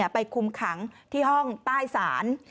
ไปคุมขังที่ห้องใต้ศาล